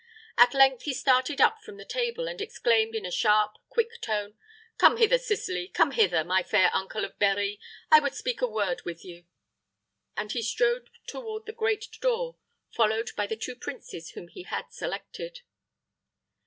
At length he started up from the table, and exclaimed, in a sharp, quick tone, "Come hither, Sicily come hither, my fair uncle of Berri. I would I speak a word with you;" and he strode toward the great door, followed by the two princes whom he had selected.